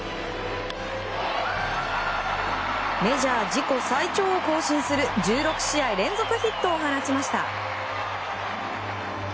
メジャー自己最長を更新する１６試合連続ヒットを放ちました。